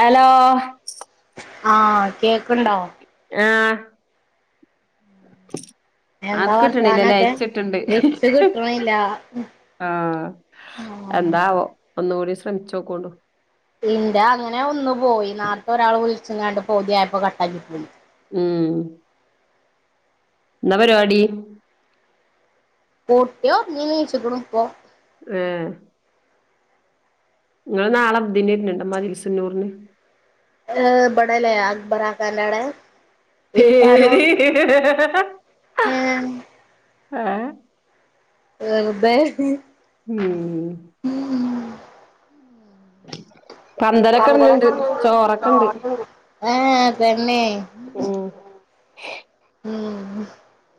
Hello ആഹ് കേക്കിണ്ടോ ആഹ എന്താ വർത്താനൊക്കെ വച്ച് കിട്ടണല്ല ആഹ് എന്താവോ ഒന്നുകൂടി ശ്രമിച്ചോക്കണ്ടു ഇന്റെ അങ്ങനെ ഒന്ന്ു പോയി നാരത്തെ ഒരാൾ വിളിച്ചട്ട് പതിയപ്പോ കട്ടാക്കി പോ ഉം എന്താ പരിപാടി പോട്ട്‌യോ [unintelligible] പോ ഏഹ് നിങ്ങൾ നാളെദ്നുണ്ടമ്മതിൽസന്നൂറിന് ഹ ബടലേ ആക് ബരാ കല്ലാട എ [unintelligible] ഏഹ് ആഹ് വെറുതേ ഉം ഉ [inaudible] ഉണ്ട് [unintelligible] ആഹ് തന്നെ ഉം ഉം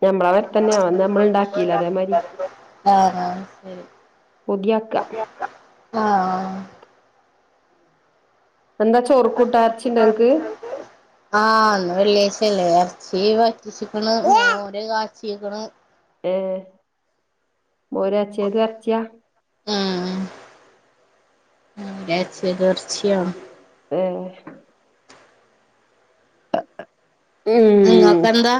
ഞമ്മളെ മാതിരി തന്നെ അന്ന് നമ്മൾ ഉണ്ടാക്കിയില്ല അതേമാതിരി ആഹ ശരി [inaudible] പുതിയാപ്ളാ ആഹ് എന്താ ചോറ് കൂട്ടാ ഇറച്ചി ഉണ്ടോ നിങ്ങക്ക് എന്താത് ആഹ് വെള്ളിയാഴ്ചല്ലേ ഇറച്ചി വറ്റിച്ചിക്കൂടെ മോര്കാച്ചിയേക്കണ് ഏഹ് മോര കാച്ചിയതും ഇറച്ചിയാ [unintelligible] ഇറച്ചി ഇറച്ചി മം മം ഉം നിങ്ങക്കെന്താ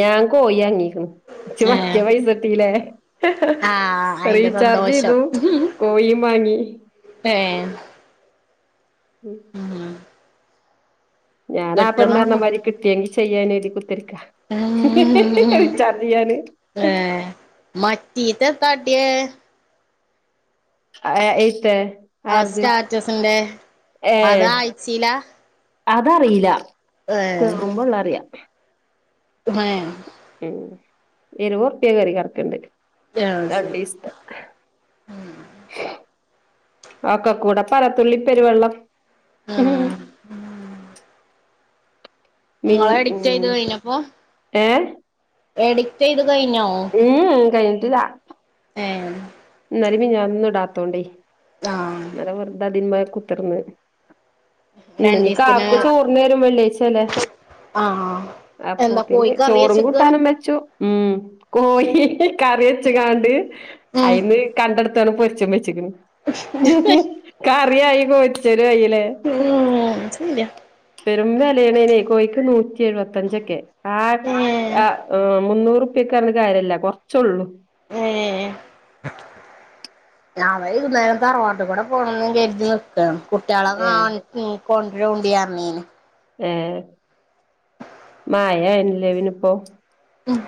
ഞാൻ കോയി അങ്ങീിക്കും ച്ച ഏഹ് വക്കിയ പൈസട്ടീല്ലേ ആഹ് [unintelligible] അയിന്റെ റീചാർജ് സന്തോഷം ചെയ്തു കോഴീം വാങ്ങി ഹേ ഉം [inaudible] ഞാൻ ആ കെട്ടണം പെണ്ടരണമാതിരി കിട്ടിയെങ്കി ചെയ്യാൻ എഴതി കുത്തിരിക്കാ അ ഉം ചതിയാണ മറ്റി ത തടേ ആഹ് ഏത്ത ആഹ് സ്റ്റാറ്റസിന്റെ ഏഹ് അതാ അയച്ചീല അതറിയില്ല കേയറുമ്പോ ഉള്ള അറിയാം മ [unintelligible] ഉം ഇരുവത് റുപ്പിയ കേറി കറക്കണ്ട് അത് രണ്ട് ശരി ദിവസം ഒക്കെ കൂടെ പലത്തുള്ളി പെരുവെള്ളം ഉം [inaudible] ഉം [inaudible] മൻ ഇങ്ങള് ഉ എഡിറ്റ് ചെയ്ത് ഏഹ് എഡിക്റ്റ് ചെയ്ത് കഴിഞ്ഞാവോ ഉം കഴിഞ്ഞിട്ടില്ലാ ഏൻ നരമി ഞാൻ ഒന്ന ഇടാത്തോണ്ടേ ആഹ് നര വെറുത അതിന് കുത്തിർന്ന് ഇന്ന് നീ രണ്ടീസത്തിന് കാക്ക ചോർന്നു വരും വെള്ളിയാഴ്ച അല്ലേ ആഹ് എന്താ അപ്പോത്തേ കോയി കറി ചോറും വെച്ചക്കാ കൂട്ടാനും വെച്ചു ഉം കോയി കറി വച്ച കാണ്ട് ഉം അയിന്ന് കണ്ടടുത്താണ് പൊരിച്ചം വെച്ചക്കണ് കറിയായി കോറ്റിച്ചേരു കയില്ലേ ഉം ശരിയാ പെരും വെലെണെ കോഴിക്ക് നൂറ്റി എഴുപത്തഞ്ചൊക്കെ ആ ഏഹ് ആഹ് മുന്നൂറുറപ്പക്കെ കാര്യമല്ല കുറച്ചള്ളൂ ഏഹ് ഞ വൈകുന്നേരം തറവാട്ട് കൂടെ പോകണം കരുതി നക്ക കുട്ടികളെ കാ ഏഹ് ഉം കൊണ്ടരണ്ടിയാ മീന് ഏ മായനല്ലേവിനിപ്പോൊ ഉം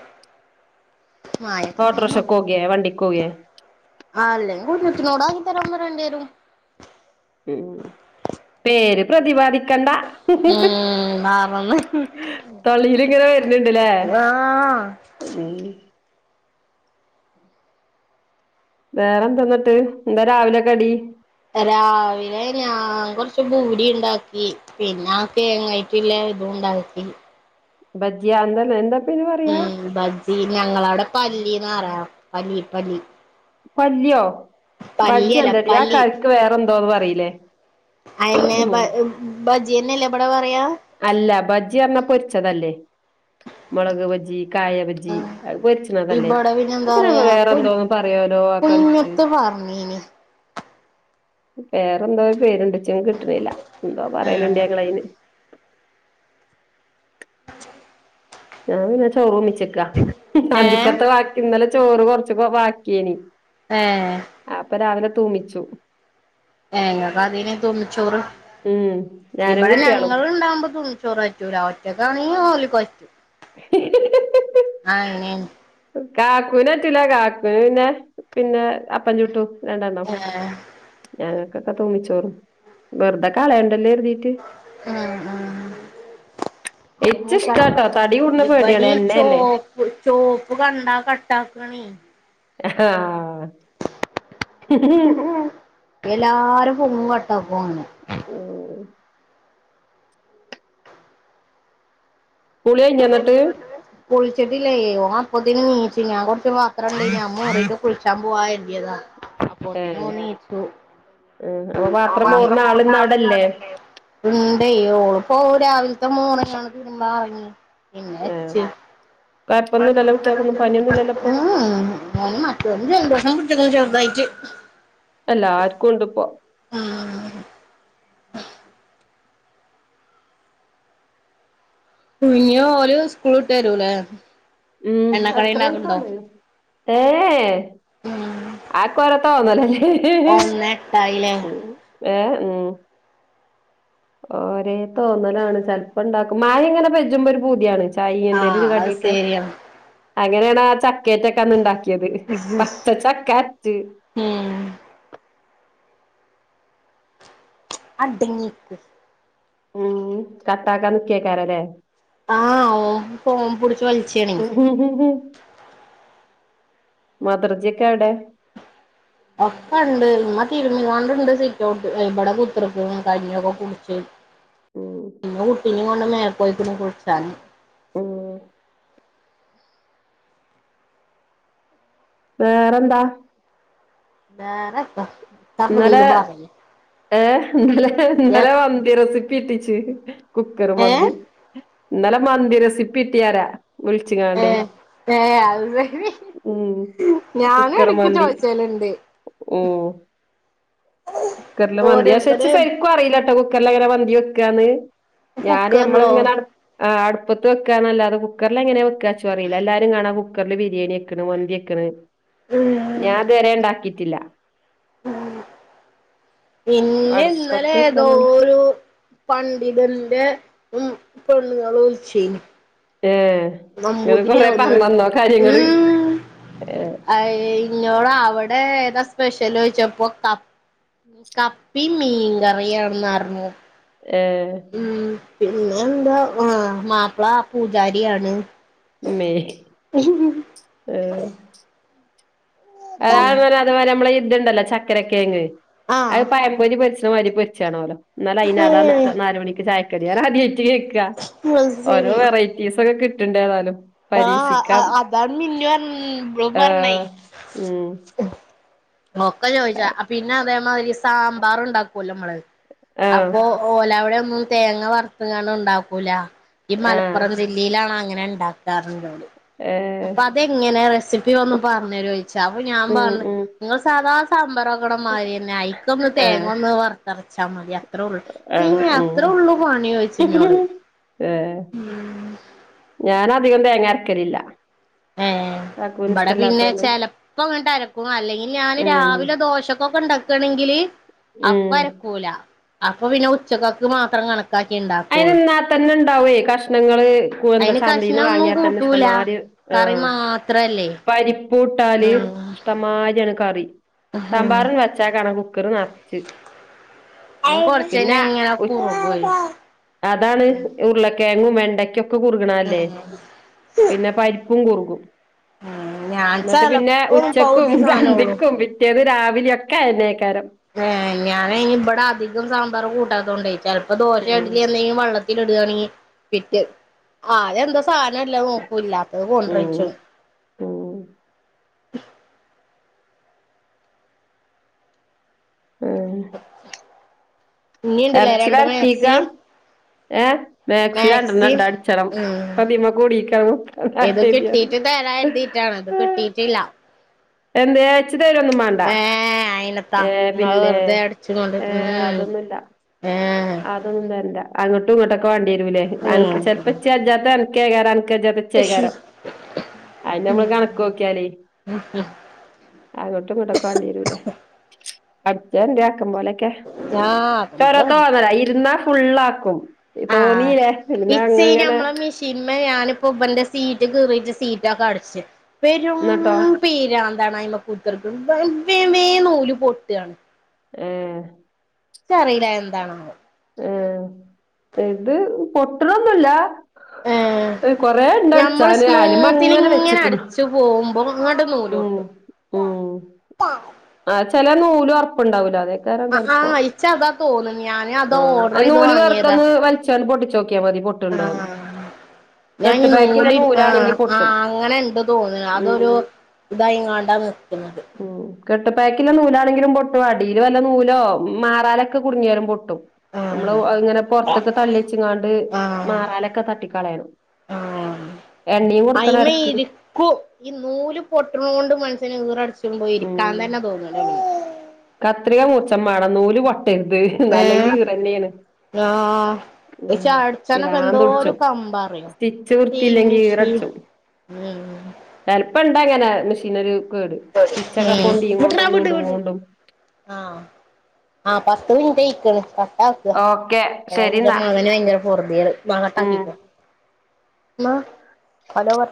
ഓട്ടോർക്ഷക്കൊകെ വണ്ടിക്കോകെ ആഹ് അല്ലെങ്കിനോടാകതാര ഒമ്മ രണ്ടേരു ഉം പേര് പ്രതിപാദിക്കണ്ട ഉം മാറന്ന് തൊള്ളിയിലിങ്ങനെ വരുന്നുണ്ട്ല്ലേ ആഹ് [inaudible] ഉം വേറെന്തന്നിട്ട് എന്താ രാവിലെക്കെടി രാവിലെ ഞാൻ കൊറച്ച് ബൂടിണ്ടാക്കി പിന്നെ ആക്കെങ്ങയ്ട്ടുള്ള ഇതുംണ്ടാക്കി ബജ്ജിയ എന്തല്ല എന്താ ഉം ബജ്ജി ഞങ്ങളവിടെ പല്ലിന്ന് പറയാ പല്ലി പല്ലി പല്ലിയോ പല്ലിയല്ല ബജ്ജല്ലടി ആ പല്ലി കഴക്ക് വേറെ എന്തോന്ന് പറീലേ ബജിയന്നെല്ല ബടെ പറയാ അല്ല ബജ്ജി പറഞ്ഞാൽ പൊരിച്ചതല്ലേ മുളക് ബജി, കായ ബജി വരിച്ചണതല്ലേ ഇവിടെ പിന്നെ എന്താ ഇ പറയാ കു വേറെന്തോന്ന് പറയലോ ആക്കെറിക്ക് കുഞ്ഞത്ത് പറഞ്ഞീനി പേറെന്തോ പേരുണ്ടച്ചും കിട്ടണില്ല എന്തോ പറയലുണ്ട് ആഹ് ഞങ്ങളതിന് ഞാൻ പിന്നെ ചോറ് ഒന്നിച്ചേക്കാ ഏ അന്തിക്കത്തെ ബാക്കി ഇന്നല ചോറ് കൊറച്ച് ബാക്കിയണ ഏഹ് അപ്പൊ രാവലെ തൂമിച്ചു ഞങ്ങക്ക് അതിന് തുണ്ണിച്ചോറ് ഉം ഞാനും ഇവിടെ കുട്ടികളും ഞങ്ങള് ഇണ്ടാവകുമ്പോ തുണ്ണിച്ചോറ ചൂ ഒറ്റക്ക ആണെങ്കില് ഓലകൊറ്റു ആഹ് ഇങ്ങനെ കാക്കുവിനറ്റില്ല കാക്കുന് പിന്നെ പിന്നെ അപ്പൻചുട്ടു രണ്ടെണ്ണോ ഏഹ് ഞങ്ങൾക്കൊക്കെ തോന്നിച്ചോറും വെറുത കളയണ്ടല്ലേ എരുതി ആഹ് ആഹ് ഇച്ച് ഇഷ്ടാട്ടോ തടി കൂടുന്ന [unintelligible] പേടിയാണ് ബനിച്ചോ എണ്ണയല്ലേ ചോപ്പ്കണ്ടാ കട്ടാക്കണെ ഏഹ് ആഹ് [unintelligible] എല്ലാരും പൊങ്ങവട്ട പോണ് ഓഹ് കുളികഴിഞ്ഞോ ന്നട്ട് കുളിച്ചിട്ടില്ലേ ഓൻ അപ്പതിന് നീച് ഞാൻ കുറച്ച് മാത്രംണ്ടന്യേ അത് മോറിട്ട് കുളിച്ചാൻ പോവ കർത്യത [inaudible] [unintelligible] ഉം. അപ്പൊ പാത്രം മോറുന്ന ആളിന്ന് അവിടെ അല്ലേ ണ്ടെയ്യ് ഓള് പോ രാവിലത്തെ മൂന്നാണ് തിരുമ്പാ അറങ്ങി പിന്നെ ഏ അച്ച കൊഴപ്പൊന്നുമില്ലല്ലോ കുട്ടികൾക്കൊന്നും പനിയൊന്നുമില്ലല്ലോ ഇപ്പൊ ഉ മറ്റൊന് ജൽദോഷം പുഡ്ചക്കൻ ചെറുതായിട്ട് എല്ലാർക്കും കൊണ്ട് ഇപ്പോ ആഹ് ഇനിഓര് സ്കൂള് ഇട്ട്രുവരൂലേ ഉം അത്രയ് സമയം ഏ ആ ഒക്കോരോ തോന്നലല്ലേ ഒന്നേ എട്ടായിലെ ഏ ഉം ഓരേ തോന്നലാണ് ചെൽപ്പോ ഇണ്ടാക്കും മായ ഇങ്ങനെ പെജുമ്പൊ ഒരു പൂതിയണ് ചായി എന്തരു ആഹ് ജ് അത് കാട്ടിയക്ക സെരിയാണ് അങ്ങനേണ് ആ ചക്കേറ്റൊക്കെ അന്ന്ണ്ടാക്യത്. പച്ച ചക്കാറ്റ് ഉം അഡ്ങ്ങിക്ക് ഉം കട്ടാക്കാ നികേയ്ക്കരം ല്ലേ ആഹ് ഓം ഫോം പുട്ച്ച് വൽച്ചാണേ [unintelligible] മദർജിക്കെ എടെ? ഒക്കെണ്ട്. ഉമ്മ തിര്മികാണ്ട്ണ്ട് സിറ്റോട്ട് അല ഇബടെ കുത്ത്ർക്ക്ണ്. കഞ്ഞി ഒക്കെ കുട്ച്ച്. ഉം മ്മു ഉട്ടിനിം കൊണ്ട് മേലെക്കൊയ്ക്ക്ണ് കുൾച്ചാന് ഉ വേറെന്ത വേറെന്താ ത്ത [unintelligible] മറിയ ഏ ഇന്ത ലെ ഇ ന്നലെ മന്തി റെസിപ്പി ഇട്ടിച്ച് കുക്കർ ഏഹ് മന്തി. ഇന്നലെ മന്തി രസിപ്പിട്ടീയറ. വിൾച്ച് ക്കാണ്ടെ ഏ, അത് [unintelligible] ഞാന് കുക്കർ എടക്ക് മന്തി ചോയിച്ചല്ണ്ട് ഉം കുക്കർല് മന്തിയ. ക്ഷെ ച്ച് ഓരോരുത്തര് സര്ക്കും അറീലട്ടൊ കുക്കറ്ല് എങ്ങനെ മന്തി വെക്കാന്ന് ഞാന് കുക്കറിലോ മ്മള്ങ്ങനെ അട് ആഹ്, അട്പ്പത്ത് വെക്കാന്ന ല്ലാതെ കുക്കർല് എങ്ങനെവെക്ക ച്ചു അറീല്ല. എല്ലാരും കാണ കുക്കർല് ബിരിയേനി എക്ക്ണ് മന്തി എ ക്ക്ണ്. ഉം ഞാൻ ഇത് വരെ ണ്ടാക്കിയിറ്റില്ല. ഉ പിന്നെ അടുപ്പത്ത് ഇന്നലെ തോ വെക്കാന്നല്ല രു പണ്ഡിതന്റെ ഉം പെണ്ണുങ്ങള് വിളിച്ചീനി ഏ നമ്പൂതിരിയാവുന്ന്. [unintelligible] ഏഹ് ഐ് ഇന്നോട് അവ്ടെ ഏതാ സ്പെഷ്യല് ഓയിച്ചപ്പോ ക കപ്പിം മീൻകറിയാണെന്നർഞ്ഞു ഏ ഉം, പിന്നെ എന്താ ആ മാപ്പ്ള്ള പൂജാരിയാണ് മ്മേ ഹ് ഉ് ഹ് ഏഹ് ഉം [unintelligible] നമ്മളെ ഈ ഇത്ണ്ടല്ലോ ചക്കര കേങ്ങ്. ആഹ് അഅ് പഴം പൊരി പൊരിച്ച്ണ മാത്‌രി പൊരിച്ചാണോലോ. ന്നാല് അയിനതാണ് ദ അത് നാല് മണിക്ക് ചായക്കടി അറ. അതി [unintelligible] ക്യ ഓരോ ശരി വെറൈറ്റീസ് ക്കെ കിട്ട്ണ്ട് ഏതാലും ആഹ്, അ അതാണ് മിന്നു അറ [unintelligible] ബ്ലൂ പർഞ്ഞേ ഏഹ് ഉം ബോക്ക ചോയ്യ്ച്ചാ. അ പിന്നെ അതേ മാതിരി സാമ്പാറ്ണ്ടാ ക്കൊല്ലോ മ്മള്. ആഹ് അപ്പൊ ഓലാവ്ടന്നും തേങ്ങ വറുത്ത്ക്കാണ്ട്ണ്ടാക്കൂല. ഈ ആഹ് മലപ്പ്റം ജിൽ ലീലാണ് അങ്ങനെ ഉണ്ടാക്കാറുള്ളു ളു ഏഹ് അപ്പ അതെങ്ങനെ റെസിപ്പി ഒന്ന് പറഞ്ഞരോഴിച്ച് അപ്പൊ ഞാൻ ഉം പറഞ് ഉം ഇങ്ങള് സാധാ സാമ്പാറക്കണ മാരിന്നെ ഐക്കൊന്ന് ആഹ് തേങ്ങൊന്ന് വർത്തർച്ചാ മതിയാ ത്രള്ളൂ. എം ആഹ് ഉം അത്രെ ഉള്ളൂ ഫോണിനോയിച്ച്ന്നോട് ഏഹ്, ഞാനധികം തേങ്ങര്ക്കലില്ല ഇബടെ പിന്നെ ചെലപ്പൊങ്ങട്ട് അരക്കും. അല്ലെങ്കിൽ ഞാന് ഉം രാവിലെ ദോശക്കൊക്കെ ഇണ്ടാ കെൻങ്കിൽ അപ്പ ഉം അരക്കൂല അപ്പം പിന്നെ ഉച്ചക്കക്ക് മാത്രം കണ ക്കാക്കിയേ അയിന് ണ്ടാക്കൊളളൂ നിന്നാ തന്നെ ഉണ്ടാവേ കഷ്ണങ്ങള് പ്പൂ ന്താ അയിന് ചന്തീന്ന് കഷ്ണൊന്നും വാങ്ങിയാൽന്നെ കൂട്ടൂല ഇഷ്ടമാര് കറി ആഹ് മാത്രല്ലേ പരിപ്പൂട്ടാന് ഉം ട്ടം മാര്യാണ് കറി ഉം സാമ്പാറൺ വെച്ചാ കാണി കുക്കർ നർച്ച്. കൊറച്ച് കഴിഞ്ഞ് ഇങ്ങനെ ഉ- കുറുകുവേ അതാണ് ഉരുളകിഴങ്ങും വെണ്ടക്കൊക്കെ കുറുകണല്ലേ. പിന്നെ പരിപ്പും കുറുകും. ഉം ഞാൻ ഇന്നിട്ട് പിന്നെ ചെലപ്പം ഉച്ചക്കും പകുതി സാനൊള്ളൂ അന്തിക്കും പി റ്റേന്ന് രാവിലെയൊക്കെ അതെന്നേക്കാരം. ഏഹ് ഞാനേ ഇബടെ അധികം സാമ്പാർ കൂട്ടാത്തോണ്ടെംചിലപ്പോ ദോശ ഉം ഇടലി എന്തെങ്കിലും വെള്ള. ലിട്വാണെങി പിറ്റ് ആദ്യന്താ സാനല്ല നോക്കൂ ഇല്ലാത്തത് ഉം കൊണ്ട്രിച്ചും. ഉം ഏഹ് ഇഞ്ഞിണ്ട്ല്ലേ ഇറച്ചി രണ്ട് മാക്സി. വരത്തിക്ക ഏഹ് മാക്സി രണ്ടണംണ്ട അടിച്ചണം ഉം പ്പതിമ്മ കൂടിക്ക തിയാണ്ട്. ത് കിട്ടിയിട്ടില്ല എന്തേ ഇച്ച തെരൊന്നും മാണ്ട. ഏഹ് അയിനെത്താ ഏഹ് ഇങ്ങള് പിന്നെ വെറ്തെ അടിച്ചിങ്ങാണ്ട് ഏഹ് ഉം അതൊന്നുല്ല ഏഹ് അതൊന്നും ല്ല അങ്ങോട്ടും ഇങ്ങോട്ടൊക്കെ വാണ്ടിവരുല്ലേ ചെലപ്പോ ഉം ഇചെജ്ജാ തെത്ത് അനക്കായ്കരം അനക്ക് ജ്ജത്തേ ച്ചകാരം അതിന് നമ്മള് കണക്ക് നോക്കിയാലേ.. അങ്ങട്ടും ഇങ്ങട്ടും ഒക്കെ വാണ്ട്യെരൂലേ അട്ചെര്ണ്ട് ആക്കം പോലെ. ആ നമ്മള് ഒരോത്തോന്നല ഇരുന്നാ ഫുള്ളാക്കും. ആ തോന്നീലെ പിന്നെ അങ്ങനെ. ചിമ ഞാനിപ്പ ഇബന്റെ സീറ്റ്കീറിട്ട് സീറ്റൊക്കെ അടച്ച് പെരും. നിന്നിട്ടോ പിരാന്തണ് അയ്മെക്കുത്തർക്കിൺ വെ വേം നൂല് പൊട്ടാണ് ഏഹ് ച്റിയില്ല എന്താണെന്ന്. ആഹ് ഇത് പൊട്ടണൊന്നുല്ല ഏ കൊറേ ഞമ്മള് ഇണ്ടടിച്ചാന് അയ്ല്മ്മെ സ്മൂത്തിൽ അങ്ങനെ ഇങ്ങനെ വെച്ച്ക്ക്ണ് അടിച്ചു പോമ്പോ ങ്ങട്ട് ഉം നൂലൊട്ടും. ആ പ്പാ.. ആ ചെല നൂലൊർപ്പിണ്ടാവൂല്ല അതേക്കാരൻ ചെൽപ്പോ. ച്ച അതാ തോന്നുണ് ഞാൻ അതാ ഓർഡർ ചെയ്ത് വാങ്ങിയതാ ചെൽപൊട്ടിച്ചോക്ക്യാ മതി പൊട്ടിണ്ടോന്ന്. ഞാൻഇഞ്ഞി നൂല് ആഹ് ആഹ് പൊട്ടും അങ്ങനെണ്ട് തോന്നണ് ഉം അതൊരു. ഇതായിങ്ങാണ്ടാ നിക്കിണത്. ഉം കെട്ടുപ്പേക്കില്ലെ നൂലാണെങ്കിലും പൊട്ടും അടീല് വല്ല നൂലോ മാറാലെക്കെ കുട്ങ്ങ്യാലും പൊട്ടും. നമ്മള് ആഹ് അദ് ഇങ്ങനെ പൊറത്ത്ക്‌ തള്ളി വേച്ചിങ്ങാണ്ട് ആഹ് മാറാലൊക്കെ തട്ടിക്കളയണം. ആഹ് എണ്ണീം കൊട്ക്കണം അയിമെ എടക്ക്. ഇരിക്കു ഈ നൂല് പൊട്ടണണ്ട് മനുഷ്യന് ഈറട് ച്ചുമ്പൊ ഉം ഇരിക്കാതന്നെ തോന്നണില്ല. കത്രിക മുർചാ മാണം നൂല് പൊട്ടരുത് അല്ലെങ്കി ഇറന്നെയാണ്. ഹലോ ക്ഷെ ചായകുടിച്ചനൊക്കെ പിരാന്ത് എന്തോരു ഒരു പിടിച്ചും കമ്പറിയോ. സ്റ്റിച്ച് വൃത്തിയില്ലെങ്കിൽ ഉം ചലപ്പണ്ടാങ്ങനെ മെഷീനൊരുകേട് സ്റ്റിച്ചൊക്കെ ഉം പൊന്തി വിട്റാ കൊണ്ടും വിട് നീണ്ടു വിട് കൊണ്ടും. ആഹ് പത്ത് മിനിറ്റയ്ക്കണ് കട്ടാക്ക ഓക്കെ ഏതായാലുന്റെ ശരിന്നാ മകന് വൈകുന്നേ. പൊർദ്യേഡ് ന്നാ ഉം കട്ടാക്കിക്കോ മാ ഹലോ പർ